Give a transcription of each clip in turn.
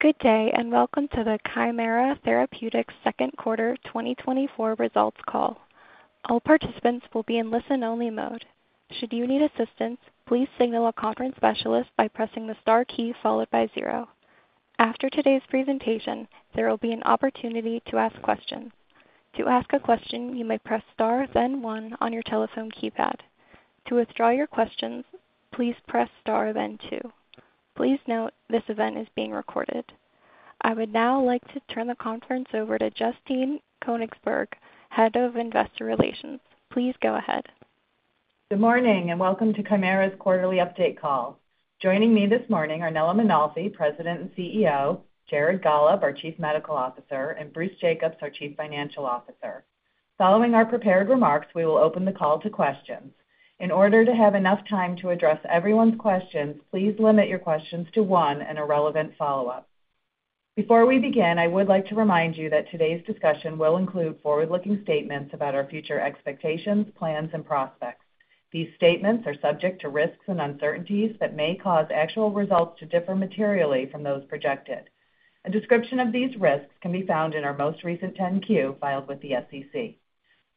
Good day and welcome to the Kymera Therapeutics Q2 2024 results call. All participants will be in listen-only mode. Should you need assistance, please signal a conference specialist by pressing the star key followed by zero. After today's presentation, there will be an opportunity to ask questions. To ask a question, you may press star then one on your telephone keypad. To withdraw your questions, please press star then two. Please note this event is being recorded. I would now like to turn the conference over to Justine Koenigsberg, Head of Investor Relations. Please go ahead. Good morning and welcome to Kymera's quarterly update call. Joining me this morning are Nello Mainolfi, President and CEO; Jared Gollob, our Chief Medical Officer; and Bruce Jacobs, our Chief Financial Officer. Following our prepared remarks, we will open the call to questions. In order to have enough time to address everyone's questions, please limit your questions to one and a relevant follow-up. Before we begin, I would like to remind you that today's discussion will include forward-looking statements about our future expectations, plans, and prospects. These statements are subject to risks and uncertainties that may cause actual results to differ materially from those projected. A description of these risks can be found in our most recent 10-Q filed with the SEC.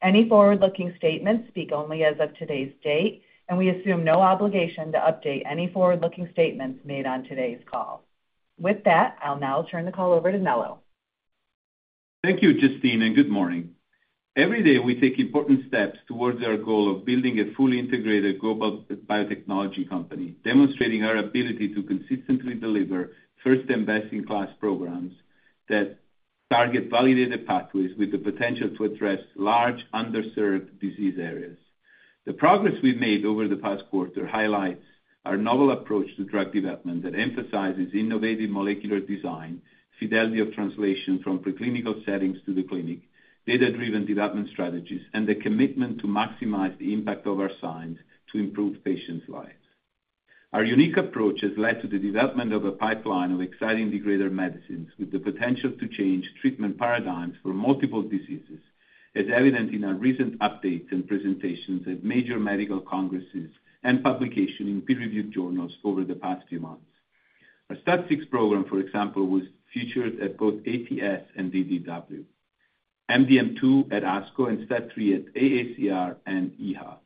Any forward-looking statements speak only as of today's date, and we assume no obligation to update any forward-looking statements made on today's call. With that, I'll now turn the call over to Nello. Thank you, Justine, and good morning. Every day, we take important steps towards our goal of building a fully integrated global biotechnology company, demonstrating our ability to consistently deliver first-time best-in-class programs that target validated pathways with the potential to address large underserved disease areas. The progress we've made over the past quarter highlights our novel approach to drug development that emphasizes innovative molecular design, fidelity of translation from preclinical settings to the clinic, data-driven development strategies, and the commitment to maximize the impact of our science to improve patients' lives. Our unique approach has led to the development of a pipeline of exciting degrader medicines with the potential to change treatment paradigms for multiple diseases, as evident in our recent updates and presentations at major medical congresses and publications in peer-reviewed journals over the past few months. Our STAT6 program, for example, was featured at both ATS and DDW, MDM2 at ASCO, and STAT3 at AACR and EHA.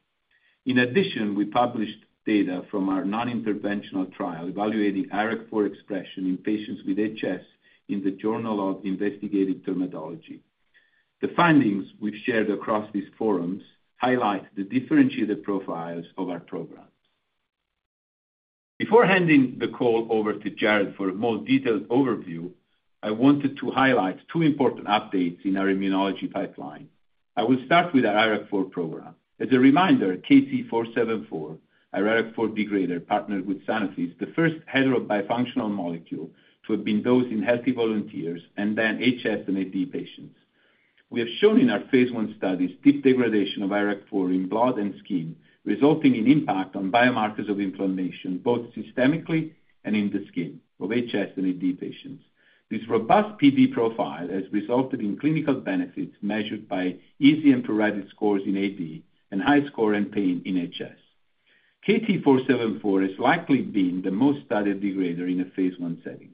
In addition, we published data from our non-interventional trial evaluating IRAK4 expression in patients with HS in the Journal of Investigative Dermatology. The findings we've shared across these forums highlight the differentiated profiles of our program. Before handing the call over to Jared for a more detailed overview, I wanted to highlight two important updates in our immunology pipeline. I will start with our IRAK4 program. As a reminder, KT-474, our IRAK4 degrader partnered with Sanofi, is the first heterobifunctional molecule to have been dosed in healthy volunteers and then HS and AD patients. We have shown in our phase I studies deep degradation of IRAK4 in blood and skin, resulting in impact on biomarkers of inflammation both systemically and in the skin of HS and AD patients. This robust PD profile has resulted in clinical benefits measured by EASI and pruritus scores in AD and HiSCR score and pain in HS. KT-474 has likely been the most studied degrader in a phase I setting.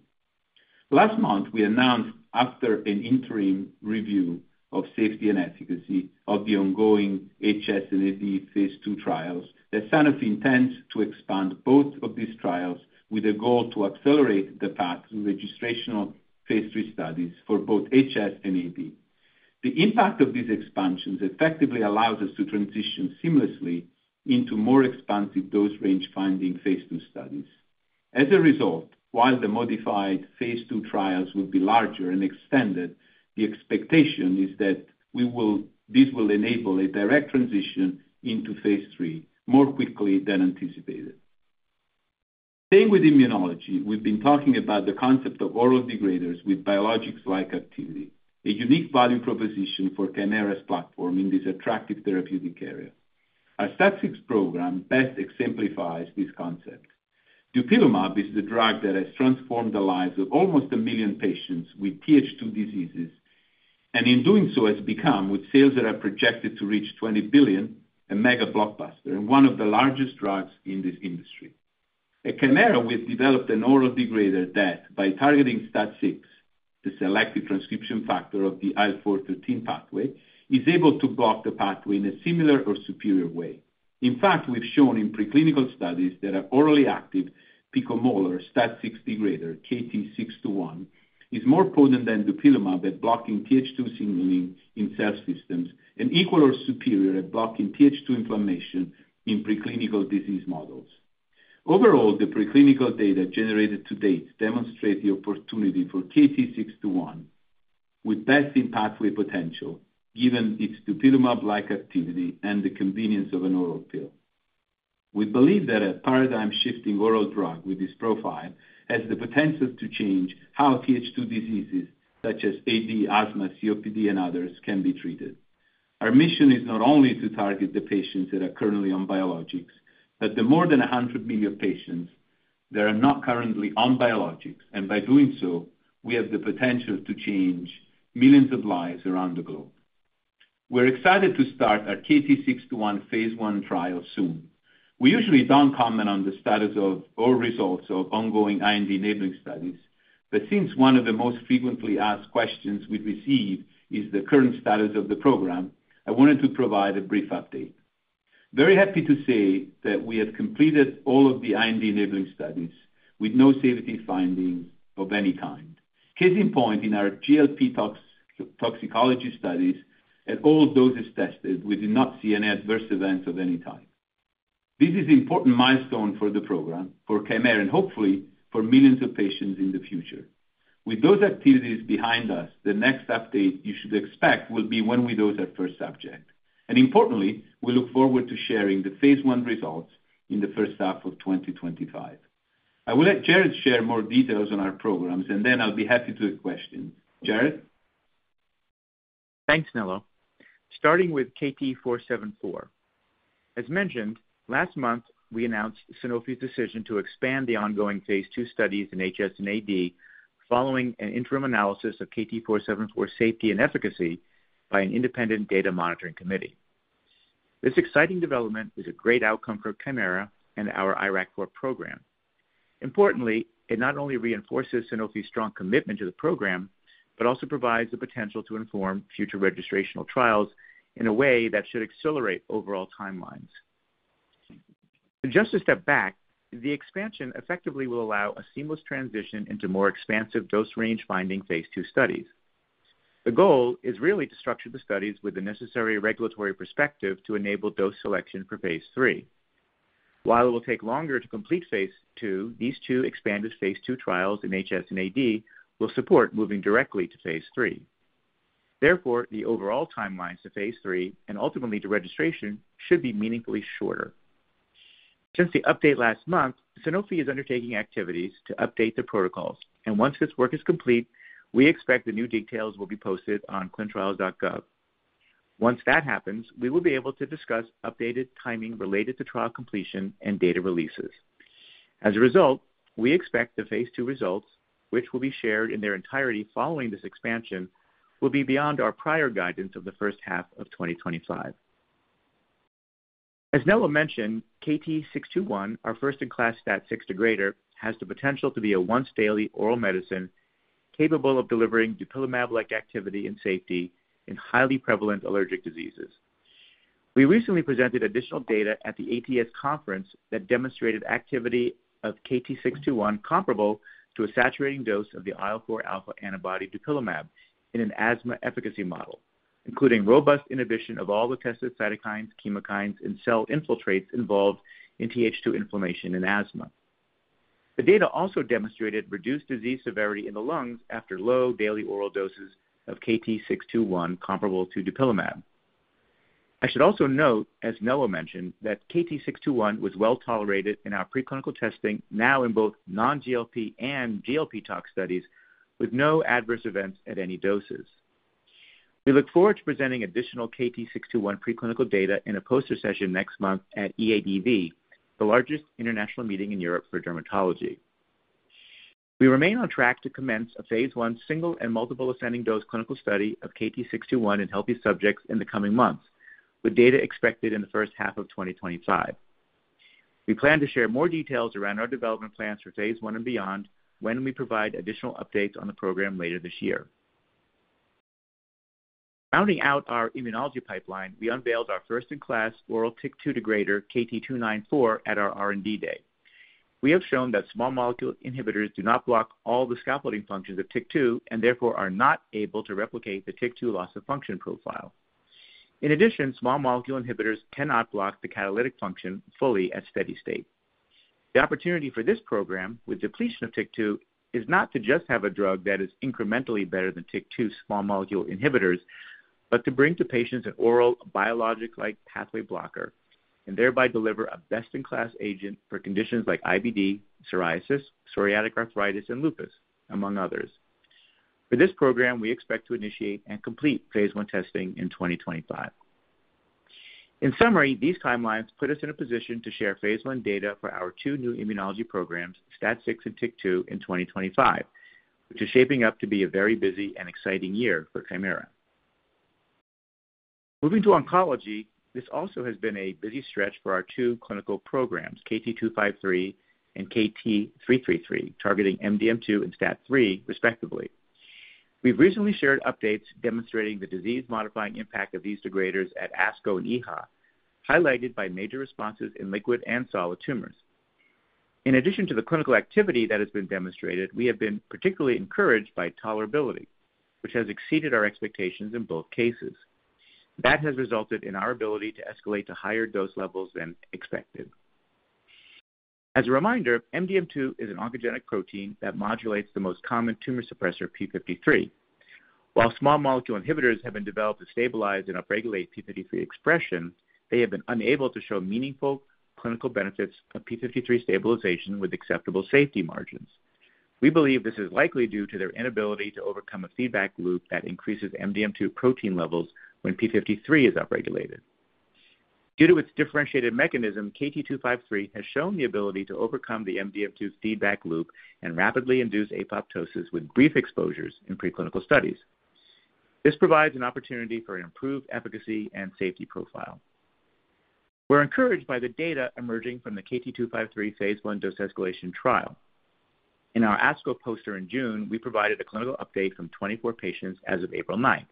Last month, we announced, after an interim review of safety and efficacy of the ongoing HS and AD phase II trials, that Sanofi intends to expand both of these trials with a goal to accelerate the path to registrational phase III studies for both HS and AD. The impact of these expansions effectively allows us to transition seamlessly into more expansive dose range finding phase II studies. As a result, while the modified phase II trials will be larger and extended, the expectation is that this will enable a direct transition into phase III more quickly than anticipated. Staying with immunology, we've been talking about the concept of oral degraders with biologics-like activity, a unique value proposition for Kymera's platform in this attractive therapeutic area. Our STAT6 program best exemplifies this concept. Dupilumab is the drug that has transformed the lives of almost a million patients with TH2 diseases and, in doing so, has become, with sales that are projected to reach $20 billion, a mega blockbuster and one of the largest drugs in this industry. At Kymera, we've developed an oral degrader that, by targeting STAT6, the selective transcription factor of the IL-4/13 pathway, is able to block the pathway in a similar or superior way. In fact, we've shown in preclinical studies that an orally active picomolar STAT6 degrader, KT-621, is more potent than Dupilumab at blocking TH2 signaling in cell systems and equal or superior at blocking TH2 inflammation in preclinical disease models. Overall, the preclinical data generated to date demonstrate the opportunity for KT-621 with best-in-pathway potential, given its Dupilumab-like activity and the convenience of an oral pill. We believe that a paradigm-shifting oral drug with this profile has the potential to change how TH2 diseases such as AD, asthma, COPD, and others can be treated. Our mission is not only to target the patients that are currently on biologics, but the more than 100 million patients that are not currently on biologics, and by doing so, we have the potential to change millions of lives around the globe. We're excited to start our KT-621 phase I trial soon. We usually don't comment on the status of or results of ongoing IND enabling studies, but since one of the most frequently asked questions we've received is the current status of the program, I wanted to provide a brief update. Very happy to say that we have completed all of the IND enabling studies with no safety findings of any kind. Case in point, in our GLP toxicology studies, at all doses tested, we did not see an adverse event of any type. This is an important milestone for the program, for Kymera, and hopefully for millions of patients in the future. With those activities behind us, the next update you should expect will be when we dose our first subject. Importantly, we look forward to sharing the phase I results in the first half of 2025. I will let Jared share more details on our programs, and then I'll be happy to take questions. Jared? Thanks, Nello. Starting with KT-474. As mentioned, last month, we announced Sanofi's decision to expand the ongoing phase II studies in HS and AD following an interim analysis of KT-474 safety and efficacy by an independent data monitoring committee. This exciting development is a great outcome for Kymera and our IRAK4 program. Importantly, it not only reinforces Sanofi's strong commitment to the program, but also provides the potential to inform future registrational trials in a way that should accelerate overall timelines. Just a step back, the expansion effectively will allow a seamless transition into more expansive dose range finding phase II studies. The goal is really to structure the studies with the necessary regulatory perspective to enable dose selection for phase III. While it will take longer to complete phase II, these two expanded phase II trials in HS and AD will support moving directly to phase III. Therefore, the overall timelines to phase III and ultimately to registration should be meaningfully shorter. Since the update last month, Sanofi is undertaking activities to update the protocols, and once this work is complete, we expect the new details will be posted on clinicaltrials.gov. Once that happens, we will be able to discuss updated timing related to trial completion and data releases. As a result, we expect the phase II results, which will be shared in their entirety following this expansion, will be beyond our prior guidance of the first half of 2025. As Nello mentioned, KT-621, our first-in-class STAT6 degrader, has the potential to be a once-daily oral medicine capable of delivering Dupilumab-like activity and safety in highly prevalent allergic diseases. We recently presented additional data at the ATS conference that demonstrated activity of KT-621 comparable to a saturating dose of the IL-4 alpha antibody Dupilumab in an asthma efficacy model, including robust inhibition of all the tested cytokines, chemokines, and cell infiltrates involved in TH2 inflammation in asthma. The data also demonstrated reduced disease severity in the lungs after low daily oral doses of KT-621 comparable to Dupilumab. I should also note, as Nello mentioned, that KT-621 was well tolerated in our preclinical testing, now in both non-GLP and GLP tox studies, with no adverse events at any doses. We look forward to presenting additional KT-621 preclinical data in a poster session next month at EADV, the largest international meeting in Europe for dermatology. We remain on track to commence a phase I single and multiple ascending dose clinical study of KT-621 in healthy subjects in the coming months, with data expected in the first half of 2025. We plan to share more details around our development plans for phase I and beyond when we provide additional updates on the program later this year. Rounding out our immunology pipeline, we unveiled our first-in-class oral TYK2 degrader, KT294, at our R&D day. We have shown that small molecule inhibitors do not block all the scaffolding functions of TYK2 and therefore are not able to replicate the TYK2 loss of function profile. In addition, small molecule inhibitors cannot block the catalytic function fully at steady state. The opportunity for this program, with depletion of TYK2, is not to just have a drug that is incrementally better than TYK2 small molecule inhibitors, but to bring to patients an oral biologic-like pathway blocker and thereby deliver a best-in-class agent for conditions like IBD, psoriasis, psoriatic arthritis, and lupus, among others. For this program, we expect to initiate and complete phase I testing in 2025. In summary, these timelines put us in a position to share phase I data for our two new immunology programs, STAT6 and TYK2, in 2025, which is shaping up to be a very busy and exciting year for Kymera. Moving to oncology, this also has been a busy stretch for our two clinical programs, KT253 and KT333, targeting MDM2 and STAT3, respectively. We've recently shared updates demonstrating the disease-modifying impact of these degraders at ASCO and EHA, highlighted by major responses in liquid and solid tumors. In addition to the clinical activity that has been demonstrated, we have been particularly encouraged by tolerability, which has exceeded our expectations in both cases. That has resulted in our ability to escalate to higher dose levels than expected. As a reminder, MDM2 is an oncogenic protein that modulates the most common tumor suppressor, P53. While small molecule inhibitors have been developed to stabilize and upregulate P53 expression, they have been unable to show meaningful clinical benefits of P53 stabilization with acceptable safety margins. We believe this is likely due to their inability to overcome a feedback loop that increases MDM2 protein levels when P53 is upregulated. Due to its differentiated mechanism, KT253 has shown the ability to overcome the MDM2 feedback loop and rapidly induce apoptosis with brief exposures in preclinical studies. This provides an opportunity for improved efficacy and safety profile. We're encouraged by the data emerging from the KT253 phase I dose escalation trial. In our ASCO poster in June, we provided a clinical update from 24 patients as of April 9th.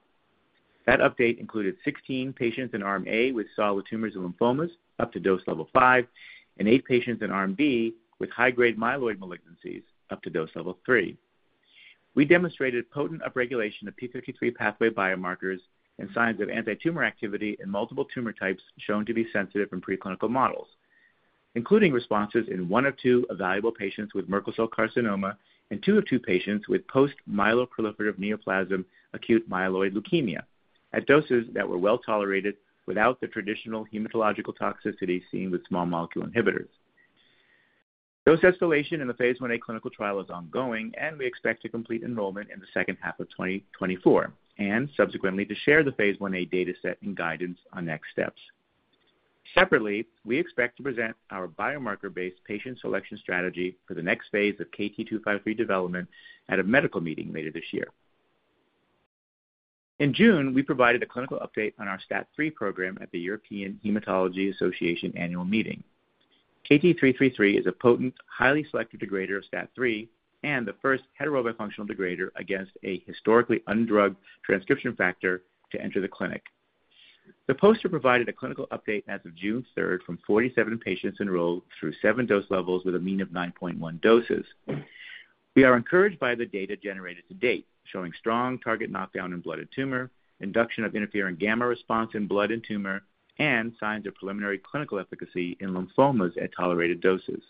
That update included 16 patients in ARM A with solid tumors and lymphomas up to dose level 5 and 8 patients in ARM B with high-grade myeloid malignancies up to dose level 3. We demonstrated potent upregulation of P53 pathway biomarkers and signs of anti-tumor activity in multiple tumor types shown to be sensitive from preclinical models, including responses in one of two evaluable patients with Merkel cell carcinoma and two of two patients with post-myeloproliferative neoplasm acute myeloid leukemia at doses that were well tolerated without the traditional hematological toxicity seen with small molecule inhibitors. Dose escalation in the phase I a clinical trial is ongoing, and we expect to complete enrollment in the second half of 2024 and subsequently to share the phase I a dataset and guidance on next steps. Separately, we expect to present our biomarker-based patient selection strategy for the next phase of KT253 development at a medical meeting later this year. In June, we provided a clinical update on our STAT3 program at the European Hematology Association annual meeting. KT333 is a potent, highly selective degrader of STAT3 and the first heterobifunctional degrader against a historically undrugged transcription factor to enter the clinic. The poster provided a clinical update as of June 3rd from 47 patients enrolled through seven dose levels with a mean of 9.1 doses. We are encouraged by the data generated to date, showing strong target knockdown in blood and tumor, induction of interferon gamma response in blood and tumor, and signs of preliminary clinical efficacy in lymphomas at tolerated doses.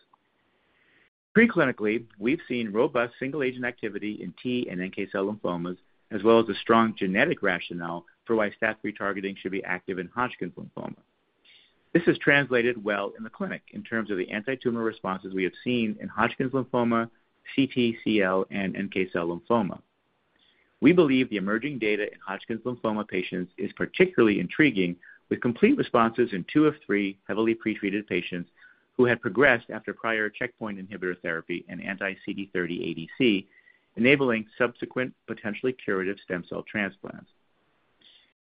Preclinically, we've seen robust single-agent activity in T and NK cell lymphomas, as well as a strong genetic rationale for why STAT3 targeting should be active in Hodgkin's lymphoma. This has translated well in the clinic in terms of the anti-tumor responses we have seen in Hodgkin's lymphoma, CTCL, and NK cell lymphoma. We believe the emerging data in Hodgkin's lymphoma patients is particularly intriguing, with complete responses in two of three heavily pretreated patients who had progressed after prior checkpoint inhibitor therapy and anti-CD30 ADC, enabling subsequent potentially curative stem cell transplants.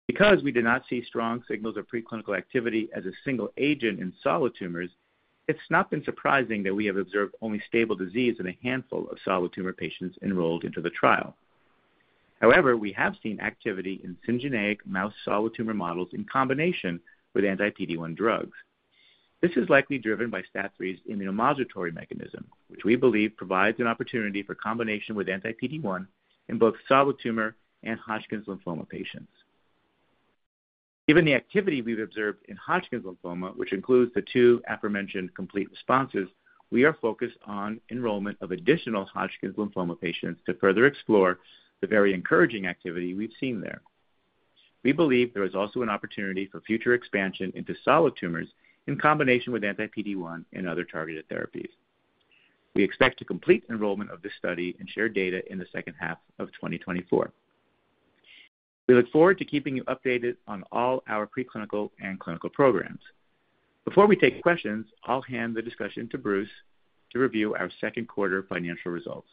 Because we did not see strong signals of preclinical activity as a single agent in solid tumors, it's not been surprising that we have observed only stable disease in a handful of solid tumor patients enrolled into the trial. However, we have seen activity in syngeneic mouse solid tumor models in combination with anti-PD1 drugs. This is likely driven by STAT3's immunomodulatory mechanism, which we believe provides an opportunity for combination with anti-PD1 in both solid tumor and Hodgkin's lymphoma patients. Given the activity we've observed in Hodgkin's Lymphoma, which includes the two aforementioned complete responses, we are focused on enrollment of additional Hodgkin's Lymphoma patients to further explore the very encouraging activity we've seen there. We believe there is also an opportunity for future expansion into solid tumors in combination with anti-PD1 and other targeted therapies. We expect to complete enrollment of this study and share data in the second half of 2024. We look forward to keeping you updated on all our preclinical and clinical programs. Before we take questions, I'll hand the discussion to Bruce to review our Q2 financial results.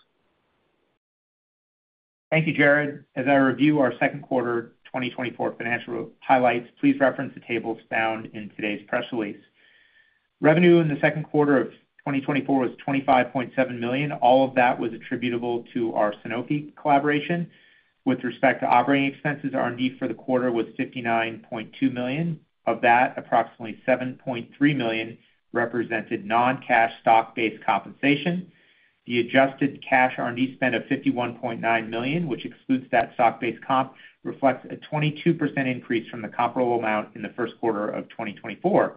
Thank you, Jared. As I review our Q2 2024 financial highlights, please reference the tables found in today's press release. Revenue in the Q2 of 2024 was $25.7 million. All of that was attributable to our Sanofi collaboration. With respect to operating expenses, R&D for the quarter was $59.2 million. Of that, approximately $7.3 million represented non-cash stock-based compensation. The adjusted cash R&D spend of $51.9 million, which excludes that stock-based comp, reflects a 22% increase from the comparable amount in the Q1 of 2024.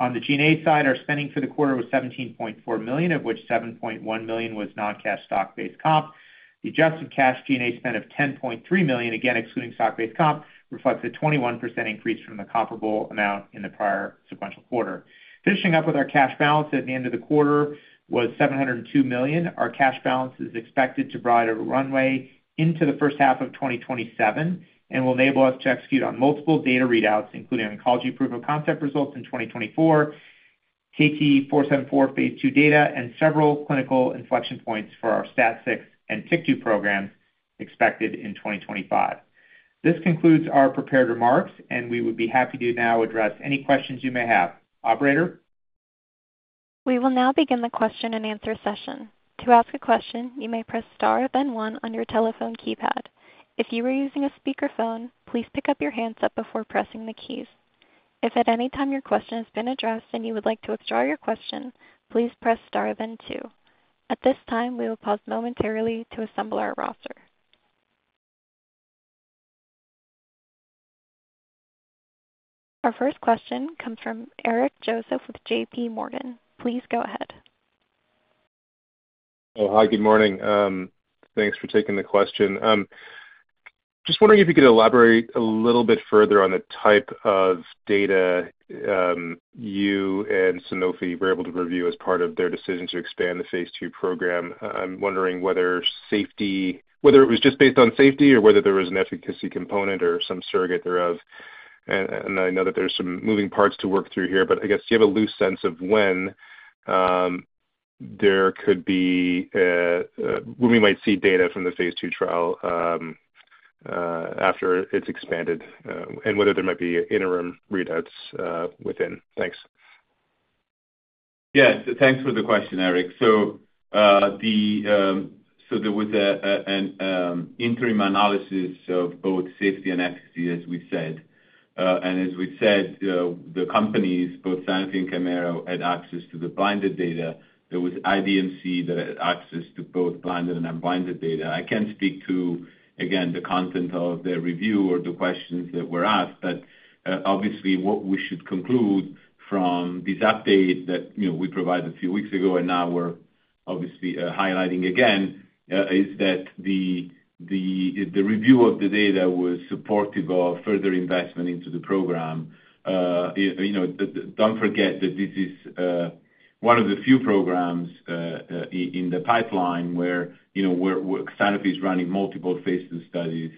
On the G&A side, our spending for the quarter was $17.4 million, of which $7.1 million was non-cash stock-based comp. The adjusted cash G&A spend of $10.3 million, again excluding stock-based comp, reflects a 21% increase from the comparable amount in the prior sequential quarter. Finishing up with our cash balance at the end of the quarter was $702 million. Our cash balance is expected to provide a runway into the first half of 2027 and will enable us to execute on multiple data readouts, including oncology proof of concept results in 2024, KT-474 phase II data, and several clinical inflection points for our STAT6 and TYK2 program expected in 2025. This concludes our prepared remarks, and we would be happy to now address any questions you may have. Operator. We will now begin the question and answer session. To ask a question, you may press star then one on your telephone keypad. If you are using a speakerphone, please pick up your handset before pressing the keys. If at any time your question has been addressed and you would like to withdraw your question, please press star then two. At this time, we will pause momentarily to assemble our roster. Our first question comes from Eric Joseph with J.P. Morgan. Please go ahead. Oh, hi, good morning. Thanks for taking the question. Just wondering if you could elaborate a little bit further on the type of data you and Sanofi were able to review as part of their decision to expand the phase II program. I'm wondering whether it was just based on safety or whether there was an efficacy component or some surrogate thereof. I know that there's some moving parts to work through here, but I guess do you have a loose sense of when we might see data from the phase II trial after it's expanded and whether there might be interim readouts within? Thanks. Yes, thanks for the question, Eric. So there was an interim analysis of both safety and efficacy, as we said. And as we said, the companies, both Sanofi and Kymera, had access to the blinded data. There was IDMC that had access to both blinded and unblinded data. I can't speak to, again, the content of their review or the questions that were asked, but obviously what we should conclude from this update that we provided a few weeks ago and now we're obviously highlighting again is that the review of the data was supportive of further investment into the program. Don't forget that this is one of the few programs in the pipeline where Sanofi is running multiple phase II studies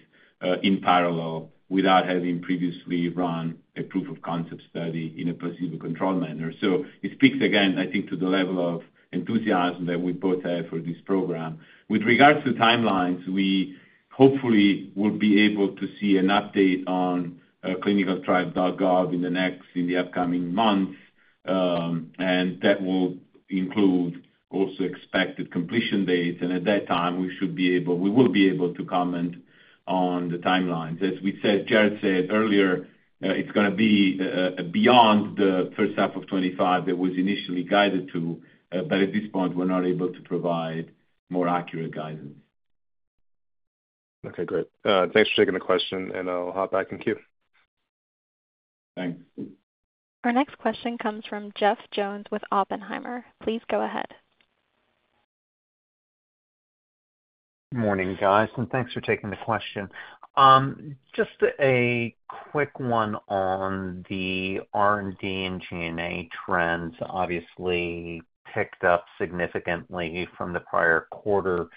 in parallel without having previously run a proof of concept study in a placebo-controlled manner. So it speaks again, I think, to the level of enthusiasm that we both have for this program. With regards to timelines, we hopefully will be able to see an update on ClinicalTrials.gov in the upcoming months, and that will include also expected completion dates. At that time, we will be able to comment on the timelines. As Jared said earlier, it's going to be beyond the first half of 2025 that was initially guided to, but at this point, we're not able to provide more accurate guidance. Okay, great. Thanks for taking the question, and I'll hop back in queue. Thanks. Our next question comes from Jeff Jones with Oppenheimer. Please go ahead. Good morning, guys, and thanks for taking the question. Just a quick one on the R&D and G&A trends. Obviously, picked up significantly from the prior quarter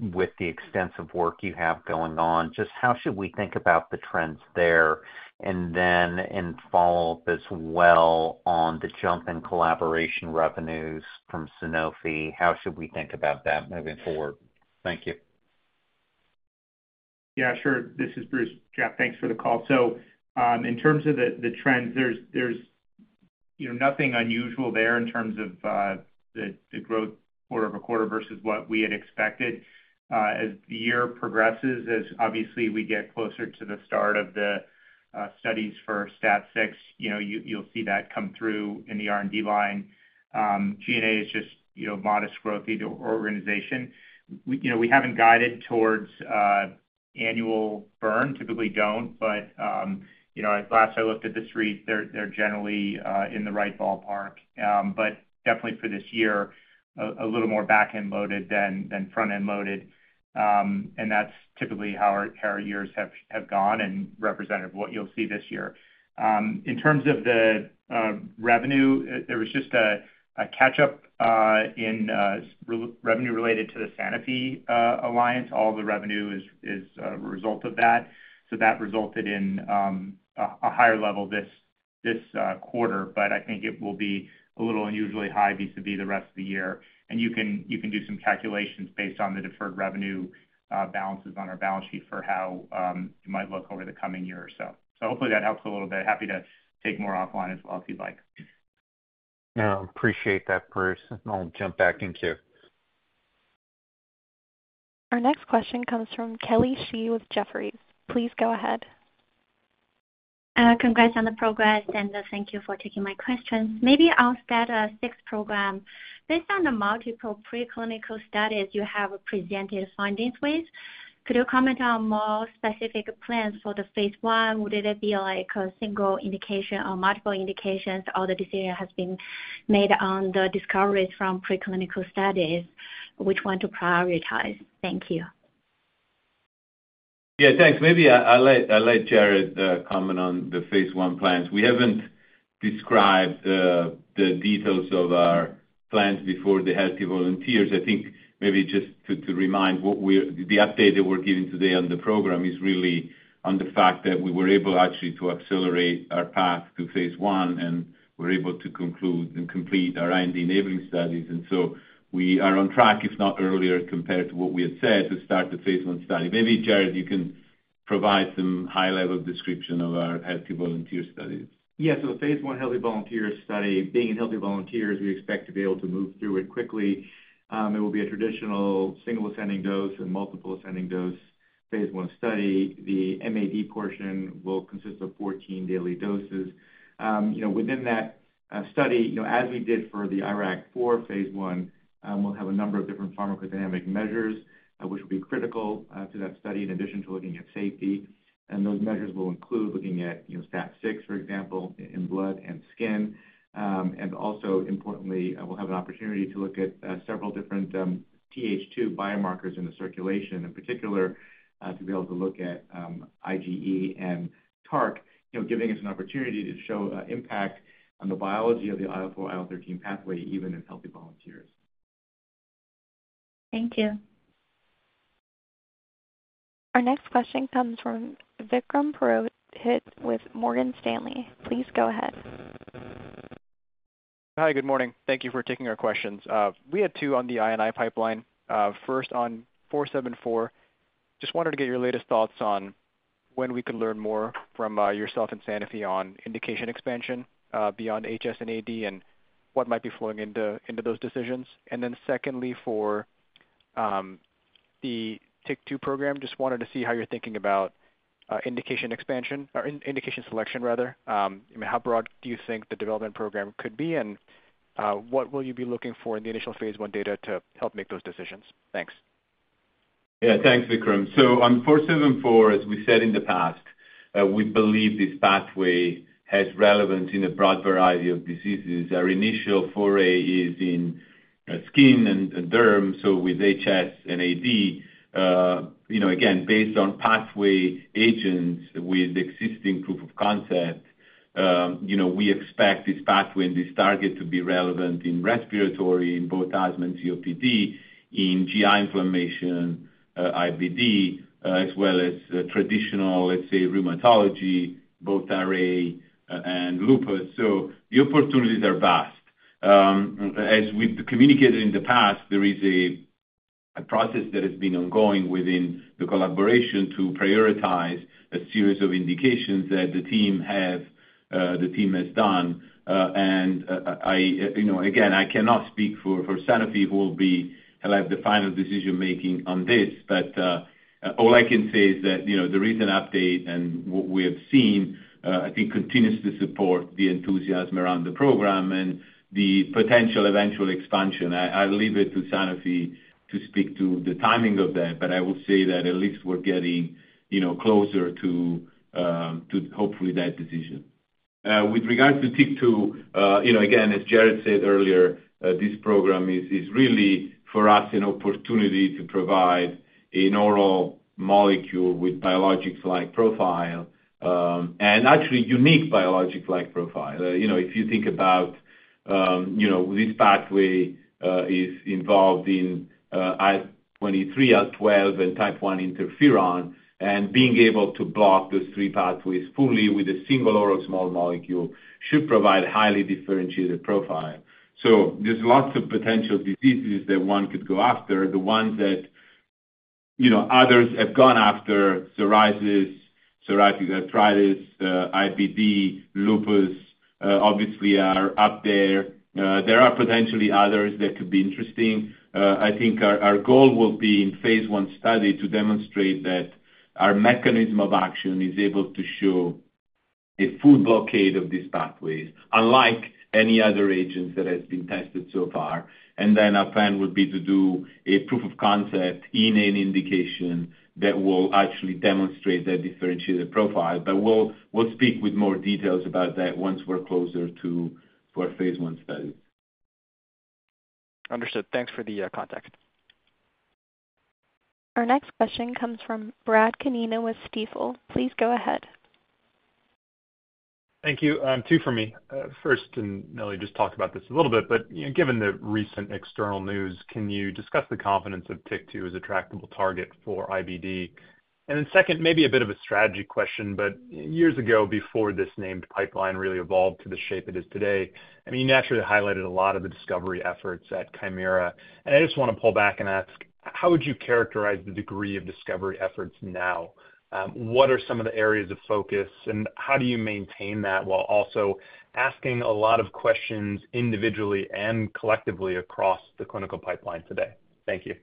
with the extensive work you have going on. Just how should we think about the trends there? And then in follow-up as well on the jump in collaboration revenues from Sanofi, how should we think about that moving forward? Thank you. Yeah, sure. This is Bruce. Jeff, thanks for the call. So in terms of the trends, there's nothing unusual there in terms of the growth quarter-over-quarter versus what we had expected. As the year progresses, as obviously we get closer to the start of the studies for step six, you'll see that come through in the R&D line. G&A is just modest growth in the organization. We haven't guided towards annual burn, typically don't, but last I looked at the streets, they're generally in the right ballpark. But definitely for this year, a little more back-end loaded than front-end loaded. And that's typically how our years have gone and represented what you'll see this year. In terms of the revenue, there was just a catch-up in revenue related to the Sanofi Alliance. All the revenue is a result of that. So that resulted in a higher level this quarter, but I think it will be a little unusually high vis-à-vis the rest of the year. And you can do some calculations based on the deferred revenue balances on our balance sheet for how you might look over the coming year or so. So hopefully that helps a little bit. Happy to take more offline as well if you'd like. Yeah, appreciate that, Bruce. I'll jump back in queue. Our next question comes from Kelly Shi with Jefferies. Please go ahead. Congrats on the progress, and thank you for taking my question. Maybe on the STAT6 program, based on the multiple preclinical studies you have presented findings with, could you comment on more specific plans for the phase I? Would it be like a single indication or multiple indications? Has the decision been made on the discoveries from preclinical studies? Which one to prioritize? Thank you. Yeah, thanks. Maybe I'll let Jared comment on the phase I plans. We haven't described the details of our plans before the healthy volunteers. I think maybe just to remind what the update that we're giving today on the program is really on the fact that we were able actually to accelerate our path to phase I and were able to conclude and complete our IND-enabling studies. And so we are on track, if not earlier compared to what we had said, to start the phase I study. Maybe Jared, you can provide some high-level description of our healthy volunteer study. Yeah, so the phase I healthy volunteer study, being in healthy volunteers, we expect to be able to move through it quickly. It will be a traditional single ascending dose and multiple ascending dose phase I study. The MAD portion will consist of 14 daily doses. Within that study, as we did for the IRAK4 phase I, we'll have a number of different pharmacodynamic measures, which will be critical to that study in addition to looking at safety. Those measures will include looking at STAT6, for example, in blood and skin. Also importantly, we'll have an opportunity to look at several different TH2 biomarkers in the circulation, in particular, to be able to look at IgE and TARC, giving us an opportunity to show impact on the biology of the IL-4, IL-13 pathway, even in healthy volunteers. Thank you. Our next question comes from Vikram Purohit with Morgan Stanley. Please go ahead. Hi, good morning. Thank you for taking our questions. We had two on the IND pipeline. First on 474, just wanted to get your latest thoughts on when we could learn more from yourself and Sanofi on indication expansion beyond HS and AD and what might be flowing into those decisions? And then secondly, for the TYK2 program, just wanted to see how you're thinking about indication expansion or indication selection, rather. I mean, how broad do you think the development program could be and what will you be looking for in the initial phase I data to help make those decisions? Thanks. Yeah, thanks, Vikram. So on 474, as we said in the past, we believe this pathway has relevance in a broad variety of diseases. Our initial foray is in skin and derm, so with HS and AD. Again, based on pathway agents with existing proof of concept, we expect this pathway and this target to be relevant in respiratory, in both asthma and COPD, in GI inflammation, IBD, as well as traditional, let's say, rheumatology, both RA and lupus. So the opportunities are vast. As we've communicated in the past, there is a process that has been ongoing within the collaboration to prioritize a series of indications that the team has done. And again, I cannot speak for Sanofi who will be the final decision-making on this, but all I can say is that the recent update and what we have seen, I think, continues to support the enthusiasm around the program and the potential eventual expansion. I'll leave it to Sanofi to speak to the timing of that, but I would say that at least we're getting closer to hopefully that decision. With regards to TYK2, again, as Jared said earlier, this program is really for us an opportunity to provide an oral molecule with biologic-like profile and actually unique biologic-like profile. If you think about this pathway is involved in IL-23, IL-12, and type I interferon, and being able to block those three pathways fully with a single oral small molecule should provide a highly differentiated profile. So there's lots of potential diseases that one could go after. The ones that others have gone after, psoriasis, psoriatic arthritis, IBD, lupus, obviously are up there. There are potentially others that could be interesting. I think our goal will be in phase I study to demonstrate that our mechanism of action is able to show a full blockade of these pathways, unlike any other agents that have been tested so far. And then our plan would be to do a proof of concept in an indication that will actually demonstrate that differentiated profile. But we'll speak with more details about that once we're closer to our phase I study. Understood. Thanks for the context. Our next question comes from Bradley Canino with Stifel. Please go ahead. Thank you. Two for me. First, and Nello just talked about this a little bit, but given the recent external news, can you discuss the confidence of TYK2 as a tractable target for IBD? And then second, maybe a bit of a strategy question, but years ago before this named pipeline really evolved to the shape it is today, I mean, you naturally highlighted a lot of the discovery efforts at Kymera. And I just want to pull back and ask, how would you characterize the degree of discovery efforts now? What are some of the areas of focus, and how do you maintain that while also asking a lot of questions individually and collectively across the clinical pipeline today? Thank you.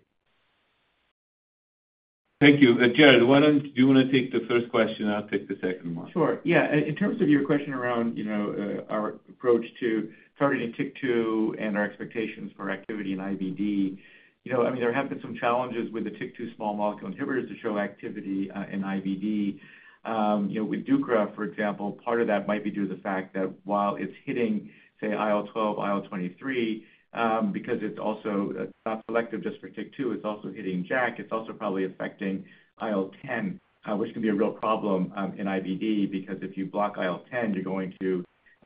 Thank you. Jared, do you want to take the first question? I'll take the second one. Sure. Yeah. In terms of your question around our approach to targeting TYK2 and our expectations for activity in IBD, I mean, there have been some challenges with the TYK2 small molecule inhibitors to show activity in IBD. With Ducra, for example, part of that might be due to the fact that while it's hitting, say, IL-12, IL-23, because it's also not selective just for TYK2, it's also hitting JAK. It's also probably affecting IL-10, which can be a real problem in IBD because if you block IL-10, you're going to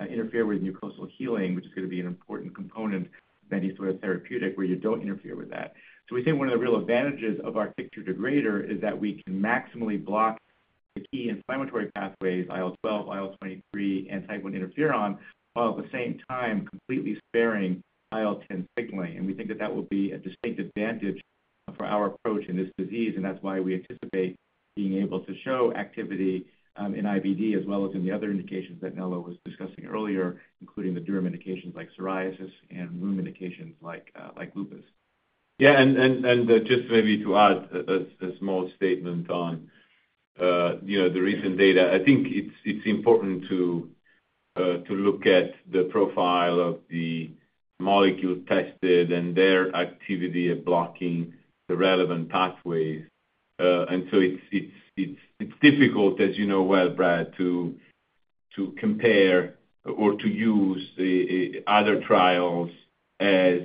interfere with mucosal healing, which is going to be an important component of any sort of therapeutic where you don't interfere with that. We think one of the real advantages of our TYK2 degrader is that we can maximally block the key inflammatory pathways, IL-12, IL-23, and type I interferon, while at the same time completely sparing IL-10 signaling. We think that that will be a distinct advantage for our approach in this disease, and that's why we anticipate being able to show activity in IBD as well as in the other indications that Nello was discussing earlier, including the derm indications like psoriasis and lupus indications like lupus. Yeah, and just maybe to add a small statement on the recent data, I think it's important to look at the profile of the molecule tested and their activity of blocking the relevant pathways. And so it's difficult, as you know well, Brad, to compare or to use other trials as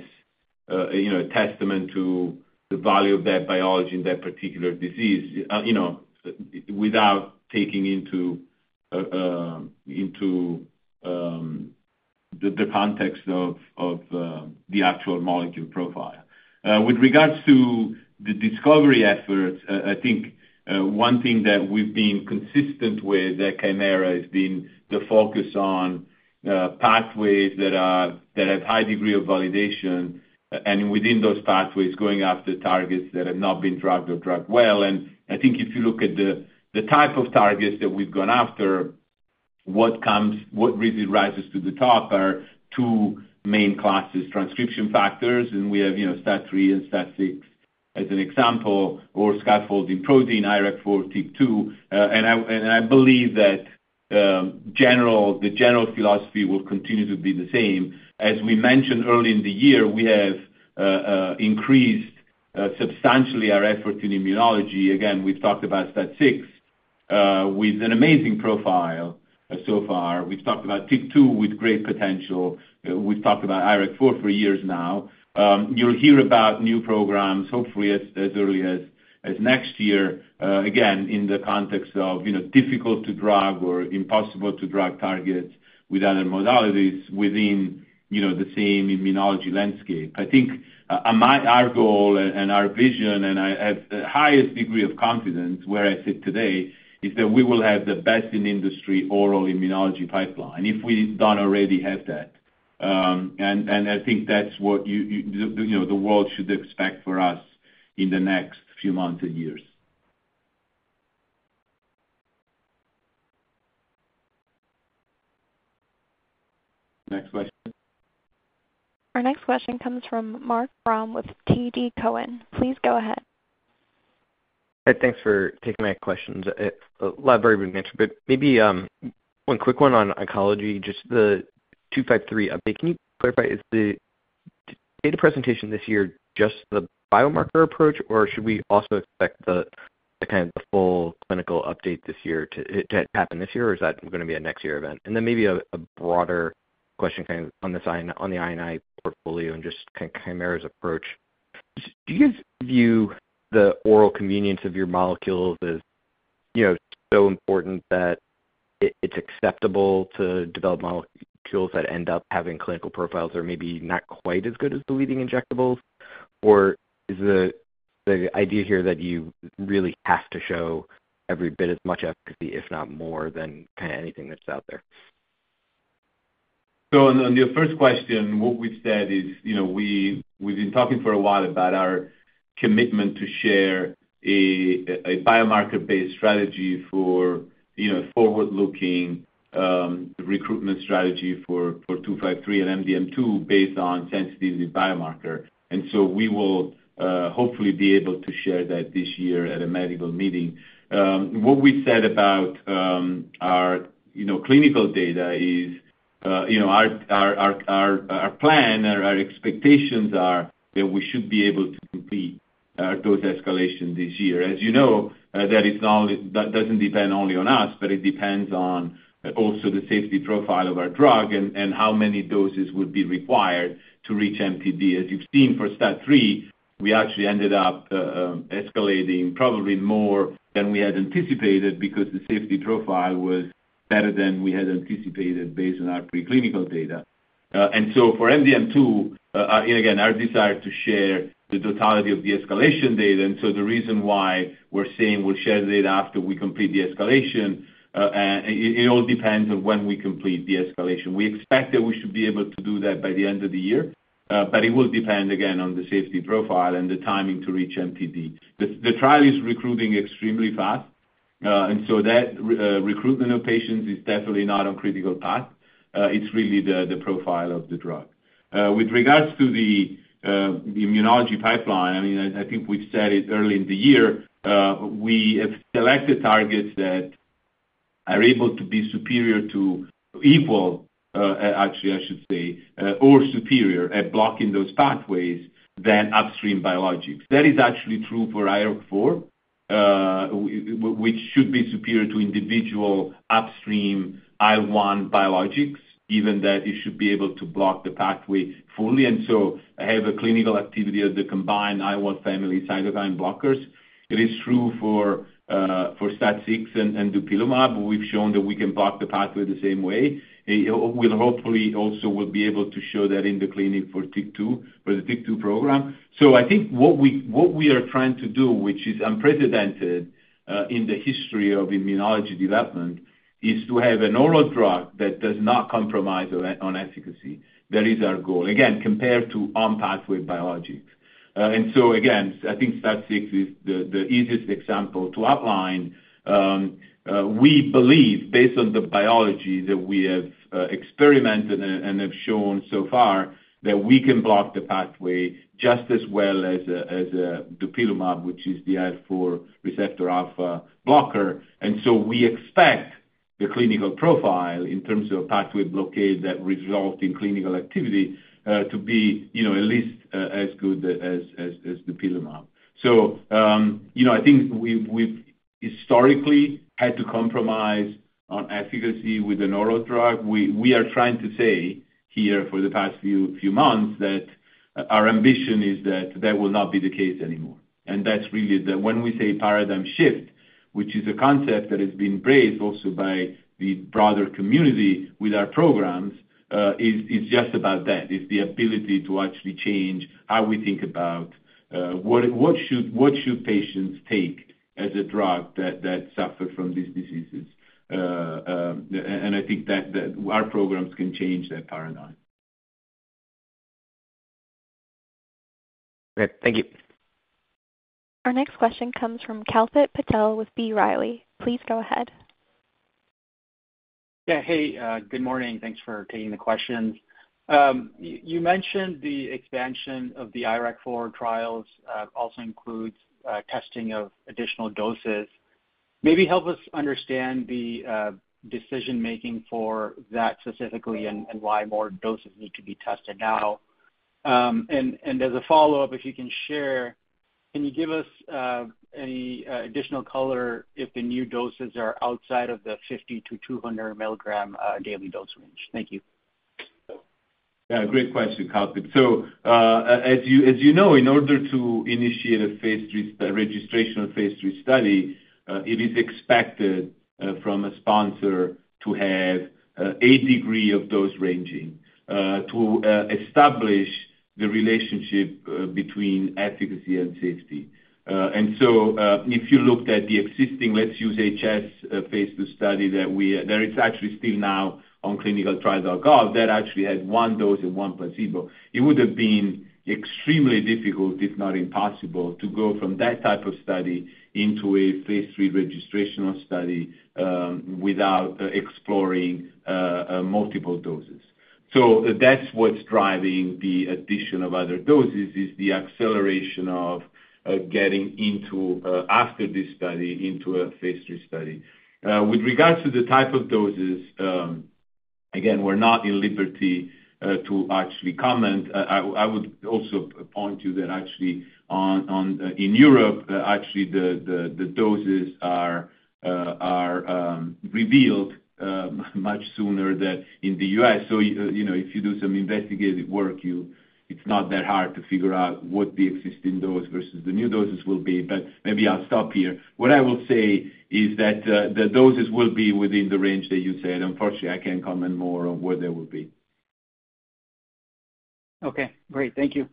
a testament to the value of that biology in that particular disease without taking into the context of the actual molecule profile. With regards to the discovery efforts, I think one thing that we've been consistent with at Kymera has been the focus on pathways that have a high degree of validation and within those pathways going after targets that have not been drugged or drugged well. I think if you look at the type of targets that we've gone after, what really rises to the top are two main classes: transcription factors, and we have STAT3 and STAT6 as an example, or scaffolding protein, IRAK4, TYK2. And I believe that the general philosophy will continue to be the same. As we mentioned early in the year, we have increased substantially our effort in immunology. Again, we've talked about STAT6 with an amazing profile so far. We've talked about TYK2 with great potential. We've talked about IRAK4 for years now. You'll hear about new programs, hopefully as early as next year, again, in the context of difficult to drug or impossible to drug targets with other modalities within the same immunology landscape. I think our goal and our vision, and I have the highest degree of confidence where I sit today, is that we will have the best in industry oral immunology pipeline if we don't already have that. And I think that's what the world should expect for us in the next few months and years. Next question. Our next question comes from Marc Frahm with TD Cowen. Please go ahead. Hey, thanks for taking my questions. A lot of very good answers, but maybe one quick one on oncology, just the 253 update. Can you clarify, is the data presentation this year just the biomarker approach, or should we also expect the kind of the full clinical update this year to happen this year, or is that going to be a next year event? And then maybe a broader question kind of on the INI portfolio and just Kymera's approach. Do you view the oral convenience of your molecules as so important that it's acceptable to develop molecules that end up having clinical profiles that are maybe not quite as good as the leading injectables? Or is the idea here that you really have to show every bit as much efficacy, if not more, than kind of anything that's out there? So on the first question, what we've said is we've been talking for a while about our commitment to share a biomarker-based strategy for a forward-looking recruitment strategy for 253 and MDM2 based on sensitivity biomarker. And so we will hopefully be able to share that this year at a medical meeting. What we said about our clinical data is our plan. Our expectations are that we should be able to complete our dose escalation this year. As you know, that doesn't depend only on us, but it depends on also the safety profile of our drug and how many doses would be required to reach MTD at 16. For STAT3, we actually ended up escalating probably more than we had anticipated because the safety profile was better than we had anticipated based on our preclinical data. And so for MDM2, again, our desire to share the totality of the escalation data. And so the reason why we're saying we'll share the data after we complete the escalation, it all depends on when we complete the escalation. We expect that we should be able to do that by the end of the year, but it will depend again on the safety profile and the timing to reach MTD. The trial is recruiting extremely fast, and so that recruitment of patients is definitely not on critical path. It's really the profile of the drug. With regards to the immunology pipeline, I mean, I think we've said it early in the year, we have selected targets that are able to be superior to equal, actually, I should say, or superior at blocking those pathways than upstream biologics. That is actually true for IRAK4, which should be superior to individual upstream IL-1 biologics, given that it should be able to block the pathway fully. And so I have a clinical activity of the combined IL-1 family cytokine blockers. It is true for STAT6 and Dupilumab, we've shown that we can block the pathway the same way. We'll hopefully also be able to show that in the clinic for TYK2, for the TYK2 program. So I think what we are trying to do, which is unprecedented in the history of immunology development, is to have an oral drug that does not compromise on efficacy. That is our goal. Again, compared to on-pathway biologics. And so again, I think STAT6 is the easiest example to outline. We believe, based on the biology that we have experimented and have shown so far, that we can block the pathway just as well as Dupilumab, which is the IL-4 receptor alpha blocker. So we expect the clinical profile in terms of pathway blockade that results in clinical activity to be at least as good as Dupilumab. So I think we've historically had to compromise on efficacy with an oral drug. We are trying to say here for the past few months that our ambition is that that will not be the case anymore. That's really the, when we say paradigm shift, which is a concept that has been raised also by the broader community with our programs, it's just about that. It's the ability to actually change how we think about what should patients take as a drug that suffered from these diseases. I think that our programs can change that paradigm. Great. Thank you. Our next question comes from Kalpit Patel with B. Riley. Please go ahead. Yeah. Hey, good morning. Thanks for taking the question. You mentioned the expansion of the IRAK4 trials also includes testing of additional doses. Maybe help us understand the decision-making for that specifically and why more doses need to be tested now. And as a follow-up, if you can share, can you give us any additional color if the new doses are outside of the 50- to 200-milligram daily dose range? Thank you. Yeah. Great question, Kalpit. So as you know, in order to initiate a phase III registrational phase III study, it is expected from a sponsor to have a degree of dose ranging to establish the relationship between efficacy and safety. And so if you looked at the existing, let's use HS phase II study that is actually still ongoing on ClinicalTrials.gov, that actually has one dose and one placebo, it would have been extremely difficult, if not impossible, to go from that type of study into phase III registrational phase III study without exploring multiple doses. So that's what's driving the addition of other doses, is the acceleration of getting this study into a phase III study. With regards to the type of doses, again, we're not at liberty to actually comment. I would also point to that actually in Europe, actually the doses are revealed much sooner than in the U.S. If you do some investigative work, it's not that hard to figure out what the existing dose versus the new doses will be. Maybe I'll stop here. What I will say is that the doses will be within the range that you said. Unfortunately, I can't comment more on what they will be. Okay. Great. Thank you.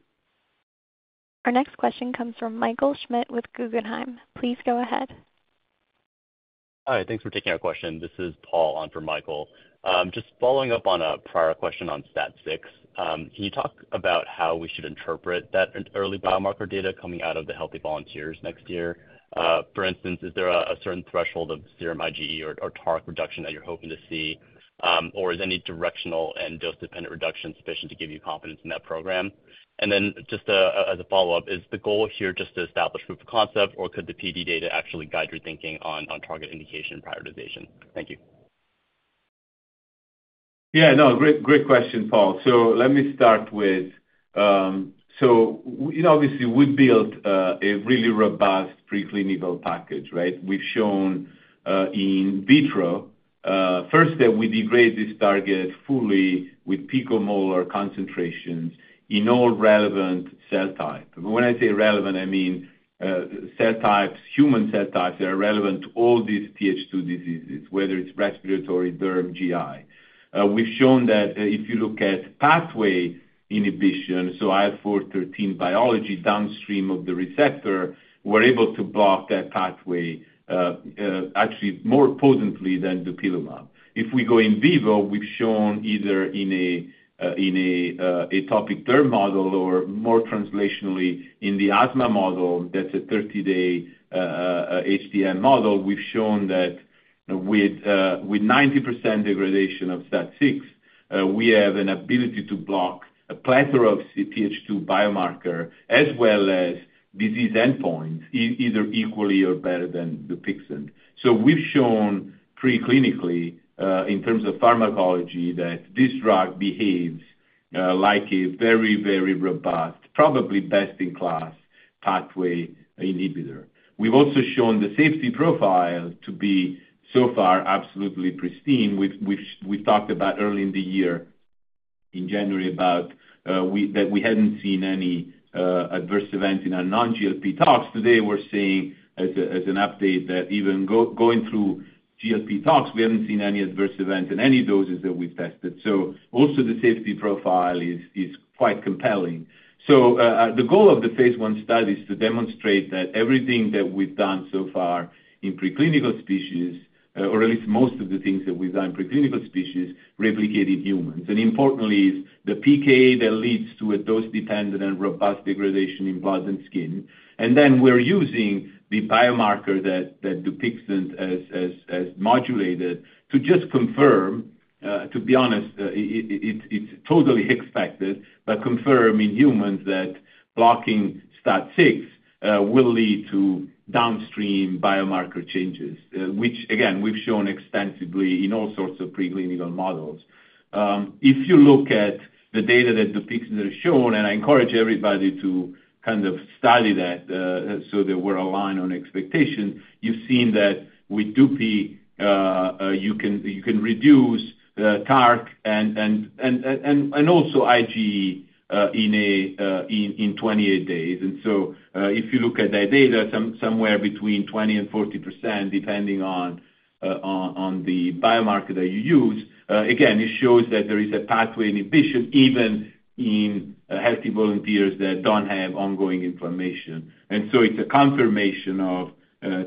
Our next question comes from Michael Schmidt with Guggenheim. Please go ahead. Hi. Thanks for taking our question. This is Paul on for Michael. Just following up on a prior question on STAT6, can you talk about how we should interpret that early biomarker data coming out of the healthy volunteers next year? For instance, is there a certain threshold of serum IgE or TARC reduction that you're hoping to see, or is any directional and dose-dependent reduction sufficient to give you confidence in that program? And then just as a follow-up, is the goal here just to establish proof of concept, or could the PD data actually guide your thinking on target indication prioritization? Thank you. Yeah. No, great question, Paul. So let me start with, so obviously we built a really robust preclinical package, right? We've shown in vitro, first, that we degrade this target fully with picomolar concentrations in all relevant cell types. When I say relevant, I mean cell types, human cell types that are relevant to all these TH2 diseases, whether it's respiratory, derm, GI. We've shown that if you look at pathway inhibition, so IL4-13 biology downstream of the receptor, we're able to block that pathway actually more potently than Dupilumab. If we go in vivo, we've shown either in an atopic derm model or more translationally in the asthma model that's a 30-day HDM model, we've shown that with 90% degradation of STAT6, we have an ability to block a plethora of TH2 biomarker as well as disease endpoints either equally or better than Dupixent. So we've shown preclinically in terms of pharmacology that this drug behaves like a very, very robust, probably best-in-class pathway inhibitor. We've also shown the safety profile to be so far absolutely pristine. We talked about early in the year in January about that we hadn't seen any adverse event in our non-GLP tox. Today, we're seeing as an update that even going through GLP tox, we haven't seen any adverse event in any doses that we've tested. So also the safety profile is quite compelling. So the goal of the phase I study is to demonstrate that everything that we've done so far in preclinical species, or at least most of the things that we've done in preclinical species, replicated in humans. Importantly, it's the PK that leads to a dose-dependent and robust degradation in blood and skin. Then we're using the biomarker that Dupixent has modulated to just confirm, to be honest, it's totally expected, but confirm in humans that blocking STAT6 will lead to downstream biomarker changes, which again, we've shown extensively in all sorts of preclinical models. If you look at the data that Dupixent has shown, and I encourage everybody to kind of study that so that we're aligned on expectation, you've seen that with dupi, you can reduce TARC and also IgE in 28 days. So if you look at that data, somewhere between 20%-40%, depending on the biomarker that you use, again, it shows that there is a pathway inhibition even in healthy volunteers that don't have ongoing inflammation. So it's a confirmation of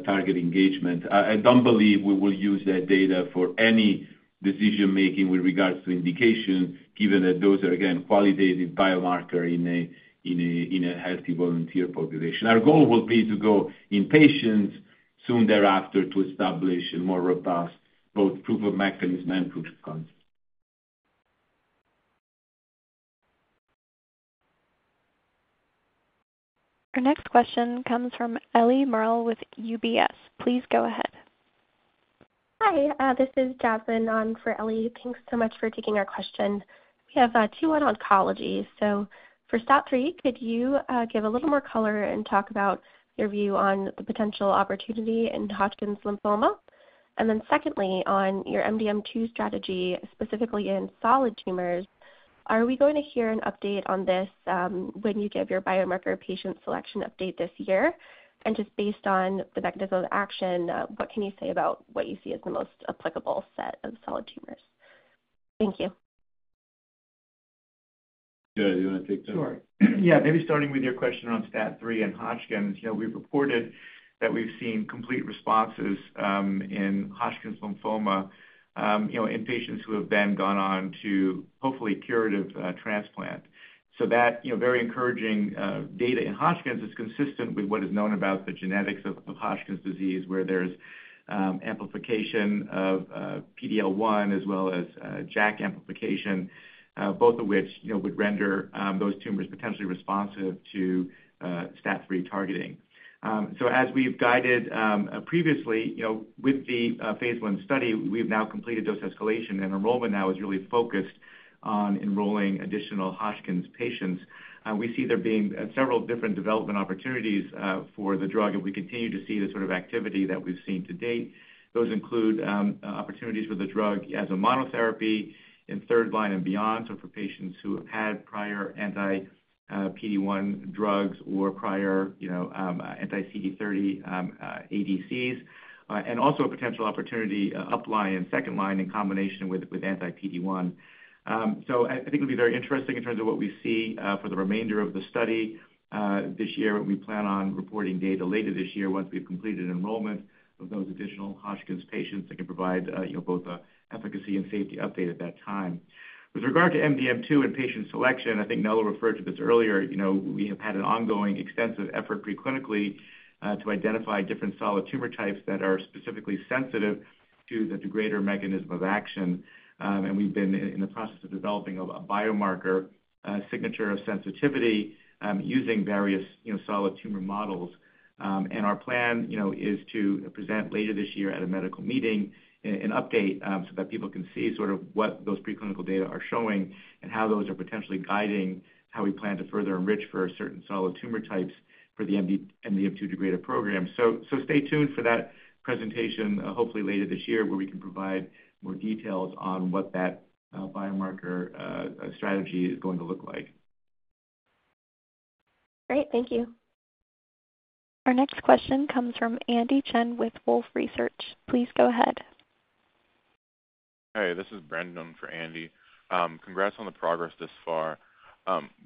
target engagement. I don't believe we will use that data for any decision-making with regards to indication, given that those are again qualitative biomarkers in a healthy volunteer population. Our goal will be to go in patients soon thereafter to establish a more robust proof of mechanism and proof of concept. Our next question comes from Eliana Merle with UBS. Please go ahead. Hi. This is Jasmine on for Ellie. Thanks so much for taking our question. We have two on oncology. So for STAT3, could you give a little more color and talk about your view on the potential opportunity in Hodgkin's lymphoma? And then secondly, on your MDM2 strategy, specifically in solid tumors, are we going to hear an update on this when you give your biomarker patient selection update this year? And just based on the mechanism of action, what can you say about what you see as the most applicable set of solid tumors? Thank you. Yeah. Do you want to take that one? Sure. Yeah. Maybe starting with your question on STAT3 and Hodgkin's, we've reported that we've seen complete responses in Hodgkin's lymphoma in patients who have then gone on to hopefully curative transplant. So that very encouraging data in Hodgkin's is consistent with what is known about the genetics of Hodgkin's disease, where there's amplification of PDL1 as well as JAK amplification, both of which would render those tumors potentially responsive to step three targeting. So as we've guided previously, with the phase I study, we've now completed dose escalation. And enrollment now is really focused on enrolling additional Hodgkin's patients. We see there being several different development opportunities for the drug, and we continue to see the sort of activity that we've seen to date. Those include opportunities for the drug as a monotherapy in third line and beyond, so for patients who had prior anti-PD1 drugs or prior anti-CD30 ADCs, and also a potential opportunity upline and second line in combination with anti-PD1. So I think it'll be very interesting in terms of what we see for the remainder of the study this year. We plan on reporting data later this year once we've completed enrollment of those additional Hodgkin's patients that can provide both an efficacy and safety update at that time. With regard to MDM2 and patient selection, I think Nello referred to this earlier. We have had an ongoing extensive effort preclinically to identify different solid tumor types that are specifically sensitive to the degrader mechanism of action. And we've been in the process of developing a biomarker signature of sensitivity using various solid tumor models. Our plan is to present later this year at a medical meeting an update so that people can see sort of what those preclinical data are showing and how those are potentially guiding how we plan to further enrich for certain solid tumor types for the MDM2 degrader program. Stay tuned for that presentation hopefully later this year, where we can provide more details on what that biomarker strategy is going to look like. Great. Thank you. Our next question comes from Andy Chen with Wolfe Research. Please go ahead. Hi. This is Brendan for Andy. Congrats on the progress this far.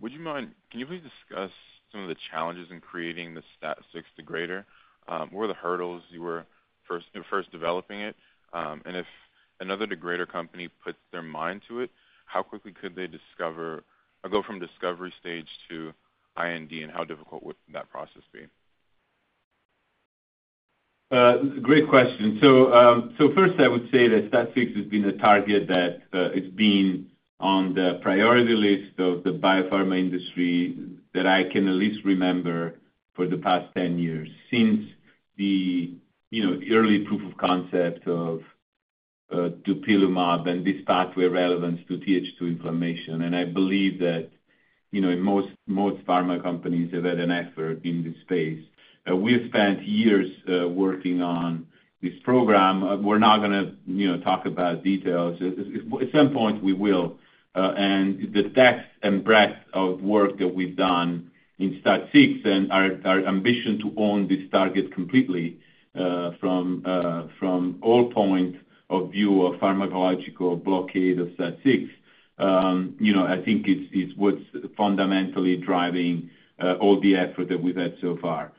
Would you mind, can you please discuss some of the challenges in creating the STAT6 degrader? What were the hurdles you were first developing it? And if another degrader company puts their mind to it, how quickly could they discover or go from discovery stage to IND, and how difficult would that process be? Great question. So first, I would say that STAT6 has been a target that has been on the priority list of the biopharma industry that I can at least remember for the past 10 years since the early proof of concept of Dupilumab and this pathway relevance to TH2 inflammation. I believe that in most pharma companies, they've had an expert in this space. We have spent years working on this program. We're not going to talk about details. At some point, we will. The depth and breadth of work that we've done in STAT6 and our ambition to own this target completely from all point of view of pharmacological blockade of STAT6, I think it's what's fundamentally driving all the effort that we've had so far.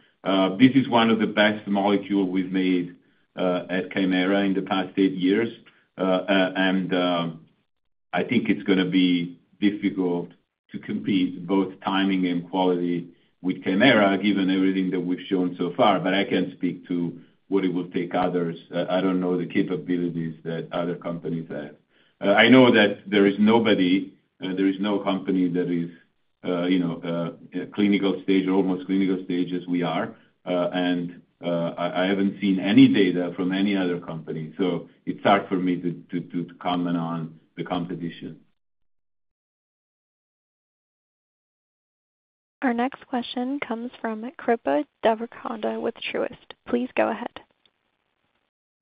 This is one of the best molecules we've made at Kymera in the past eight years. I think it's going to be difficult to compete both timing and quality with Kymera, given everything that we've shown so far. I can't speak to what it will take others. I don't know the capabilities that other companies have. I know that there is nobody, there is no company that is clinical stage, almost clinical stage as we are. I haven't seen any data from any other company. It's hard for me to comment on the competition. Our next question comes from Kripa Devarakonda with Truist. Please go ahead.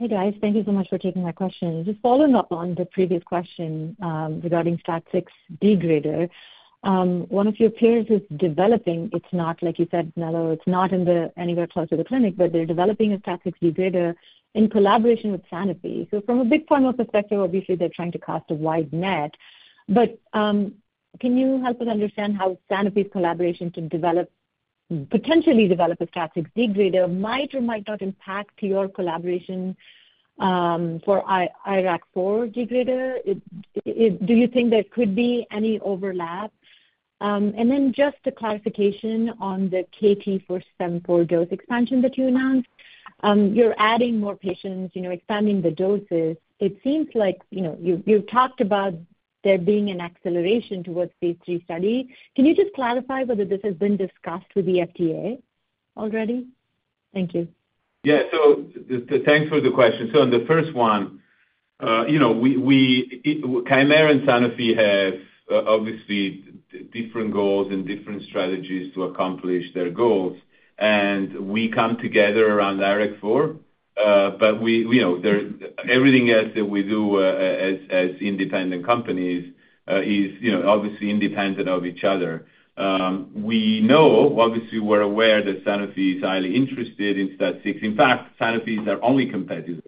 Hey, guys. Thank you so much for taking my question. Just following up on the previous question regarding STAT6 degrader, one of your peers is developing it's not, like you said, Nello, it's not anywhere close to the clinic, but they're developing a STAT6 degrader in collaboration with Sanofi. So from a big pharma perspective, obviously, they're trying to cast a wide net. But can you help us understand how Sanofi's collaboration can potentially develop a STAT6 degrader? Might or might not impact your collaboration for IRAK4 degrader. Do you think there could be any overlap? And then just a clarification on the KT-474 dose expansion that you announced. You're adding more patients, expanding the doses. It seems like you've talked about there being an acceleration towards phase III study. Can you just clarify whether this has been discussed with the FDA already? Thank you. Yeah. So thanks for the question. So on the first one, Kymera and Sanofi have obviously different goals and different strategies to accomplish their goals. And we come together around IRAK4. But everything else that we do as independent companies is obviously independent of each other. We know, obviously, we're aware that Sanofi is highly interested in STAT6. In fact, Sanofi is our only competitor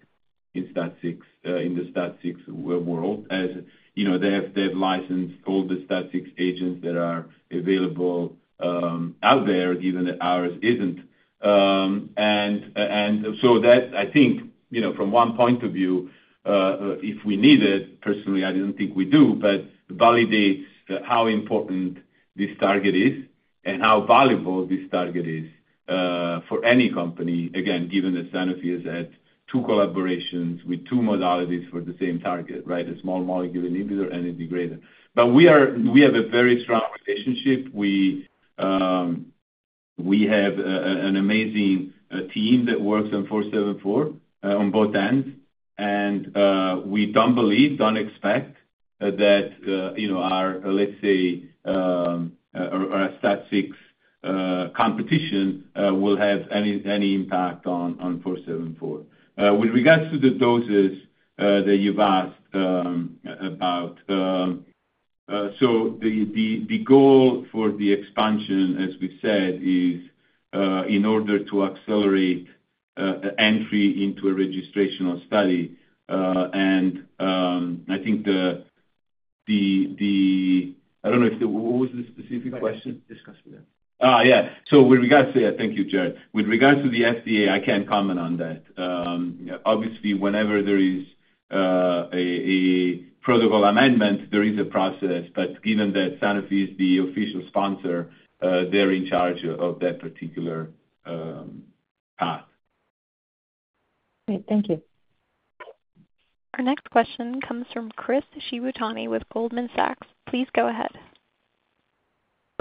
in STAT6, in the STAT6 world. They have licensed all the STAT6 agents that are available out there, given that ours isn't. And so that, I think, from one point of view, if we need it, personally, I didn't think we do, but validates how important this target is and how valuable this target is for any company, again, given that Sanofi has had two collaborations with two modalities for the same target, right? A small molecule inhibitor and a degrader. But we have a very strong relationship. We have an amazing team that works on 474 on both ends. And we don't believe, don't expect that our, let's say, STAT6 competition will have any impact on 474. With regards to the doses that you've asked about, so the goal for the expansion, as we've said, is in order to accelerate entry into a registration study. And I think, I don't know if it was the specific question. We discussed that. Oh, yeah. So with regards to, yeah, thank you, Jared. With regards to the FDA, I can't comment on that. Obviously, whenever there is a protocol amendment, there is a process. But given that Sanofi is the official sponsor, they're in charge of that particular path. Great. Thank you. Our next question comes from Chris Shibutani with Goldman Sachs. Please go ahead.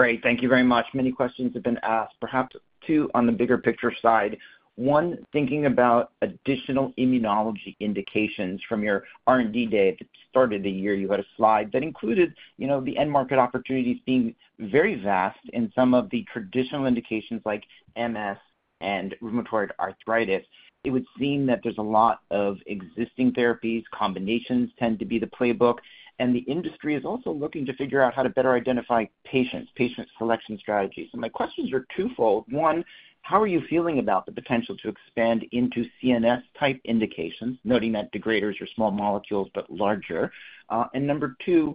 Great. Thank you very much. Many questions have been asked, perhaps 2 on the bigger picture side. 1, thinking about additional immunology indications from your R&D day that started the year, you had a slide that included the end market opportunity being very vast in some of the traditional indications like MS and rheumatoid arthritis. It would seem that there's a lot of existing therapies. Combinations tend to be the playbook. And the industry is also looking to figure out how to better identify patients, patient selection strategies. And my questions are twofold. 1, how are you feeling about the potential to expand into CNS-type indications, noting that degraders are small molecules but larger? And number 2,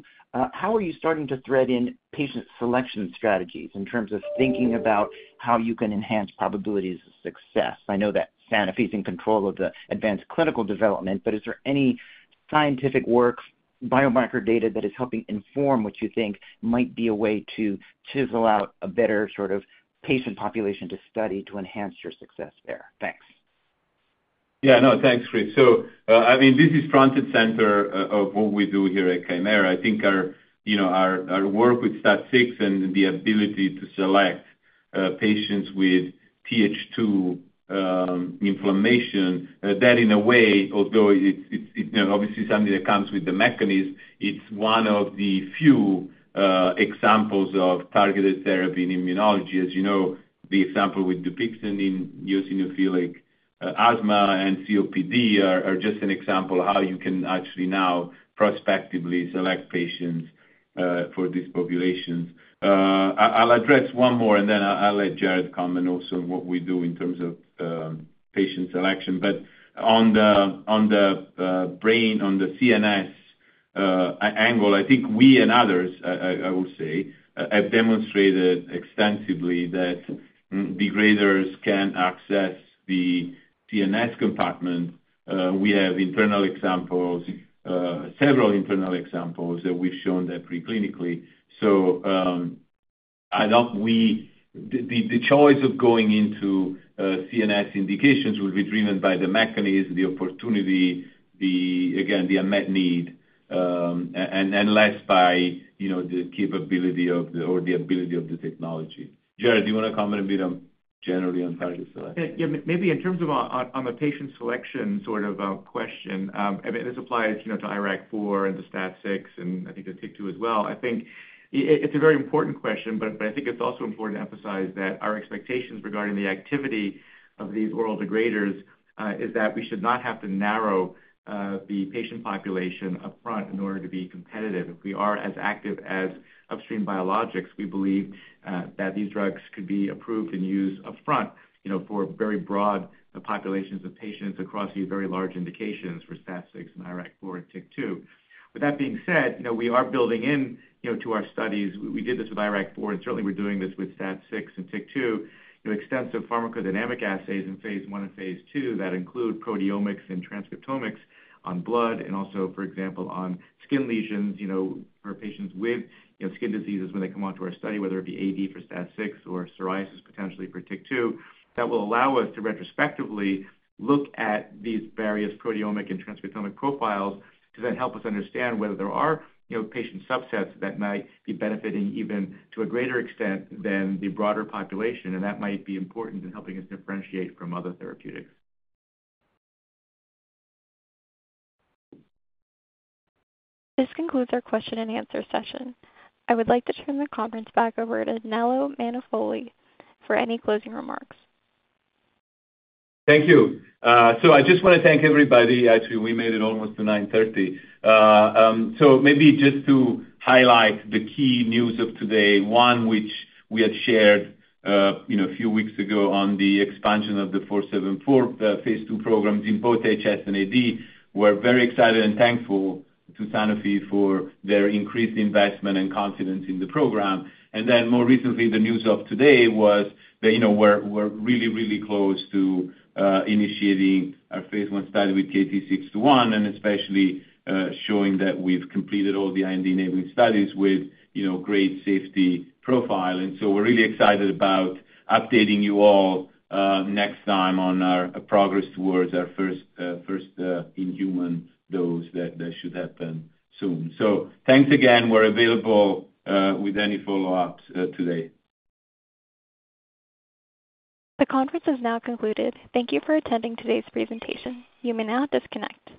how are you starting to thread in patient selection strategies in terms of thinking about how you can enhance probabilities of success? I know that Sanofi is in control of the advanced clinical development, but is there any scientific work, biomarker data that is helping inform what you think might be a way to chisel out a better sort of patient population to study to enhance your success there? Thanks. Yeah. No, thanks, Chris. So I mean, this is front and center of what we do here at Kymera. I think our work with STAT6 and the ability to select patients with TH2 inflammation, that in a way, although it's obviously something that comes with the mechanism, it's one of the few examples of targeted therapy in immunology. As you know, the example with Dupixent in eosinophilic asthma and COPD are just an example of how you can actually now prospectively select patients for these populations. I'll address one more, and then I'll let Jared comment also on what we do in terms of patient selection. But on the brain, on the CNS angle, I think we and others, I will say, have demonstrated extensively that degraders can access the CNS compartment. We have internal examples, several internal examples that we've shown that preclinically. So, I love the choice of going into CNS indications will be driven by the mechanism, the opportunity, the, again, the unmet need, and less by the capability or the ability of the technology. Jared, do you want to comment a bit, generally, on target selection? Yeah. Maybe in terms of on the patient selection sort of question, and this applies to IRAK4 and the STAT6, and I think to TYK2 as well. I think it's a very important question, but I think it's also important to emphasize that our expectations regarding the activity of these oral degraders is that we should not have to narrow the patient population upfront in order to be competitive. If we are as active as upstream biologics, we believe that these drugs could be approved and used upfront for very broad populations of patients across these very large indications for STAT6 and IRAK4 and TYK2. With that being said, we are building into our studies. We did this with IRAK4, and certainly we're doing this with STAT6 and TYK2. Extensive pharmacodynamic assays in phase I and phase II that include proteomics and transcriptomics on blood and also, for example, on skin lesions for patients with skin diseases when they come onto our study, whether it be AD for STAT6 or psoriasis potentially for TYK2, that will allow us to retrospectively look at these various proteomic and transcriptomic profiles because that helps us understand whether there are patient subsets that might be benefiting even to a greater extent than the broader population. That might be important in helping us differentiate from other therapeutics. This concludes our question and answer session. I would like to turn the conference back over to Nello Mainolfi for any closing remarks. Thank you. So I just want to thank everybody. Actually, we made it on with the 9:30. So maybe just to highlight the key news of today, one, which we had shared a few weeks ago on the expansion of the KT-474 phase II programs in both HS and AD, we're very excited and thankful to Sanofi for their increased investment and confidence in the program. And then more recently, the news of today was that we're really, really close to initiating our phase I study with KT-621 and especially showing that we've completed all the IND-enabling studies with great safety profile. And so we're really excited about updating you all next time on our progress towards our first in-human dose that should happen soon. So thanks again. We're available with any follow-ups today. The conference is now concluded. Thank you for attending today's presentation. You may now disconnect.